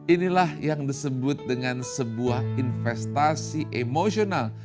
inilah yang disebut dengan sebuah investasi emosional